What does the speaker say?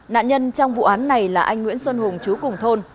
nạn nhân trong vụ án này là anh nguyễn xuân hùng chú cùng thôn